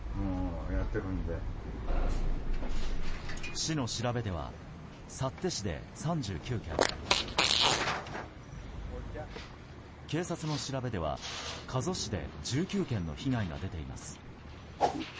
市の調べでは幸手市で３９件警察の調べでは加須市で１９件の被害が出ています。